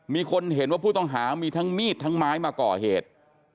มีคนเห็นว่าผู้ต้องหามีทั้งมีดทั้งไม้มาก่อเหตุ